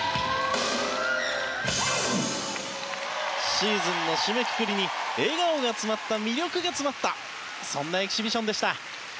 シーズンの締めくくりに笑顔が詰まった、魅力が詰まったそんなエキシビションでした。